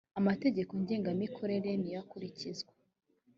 amategeko ngengamikorere niyo akurikizwa.